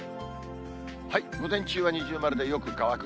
午前中は二重丸でよく乾く。